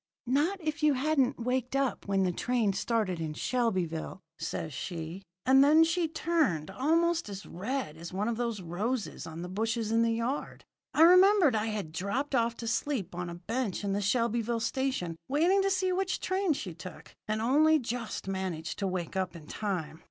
"'Not if you hadn't waked up when the train started in Shelbyville,' says she; and then she turned almost as red as one of the roses on the bushes in the yard. I remembered I had dropped off to sleep on a bench in the Shelbyville station, waiting to see which train she took, and only just managed to wake up in time.